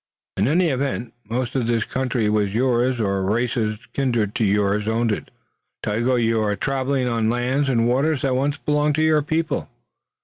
"In any event, most of this country was yours or races kindred to yours owned it. So, Tayoga, you are traveling on lands and waters that once belonged to your people.